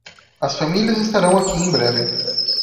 As famílias estarão aqui em breve.